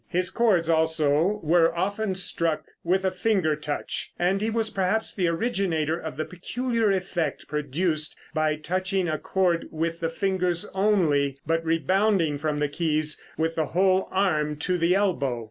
His chords, also, were often struck with a finger touch, and he was perhaps the originator of the peculiar effect produced by touching a chord with the fingers only, but rebounding from the keys with the whole arm to the elbow.